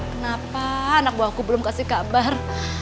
kenapa anak buahku belum kasih kabar